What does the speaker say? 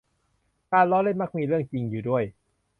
การล้อเล่นมักมีเรื่องจริงอยู่ด้วย